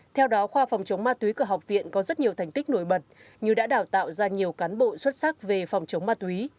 theo đó khoa phòng chống ma túy của học viện có rất nhiều thành tích nổi bật như đã đào tạo ra nhiều cán bộ xuất sắc về phòng chống ma túy